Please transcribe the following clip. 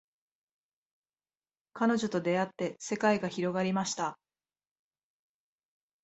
彼女と出会って世界が広がりました